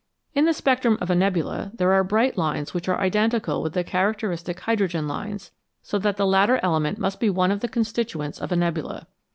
In the spectrum of a nebula there are bright lines which are identical with the characteristic hydrogen lines, so that the latter element must be one of the constituents of a nebula.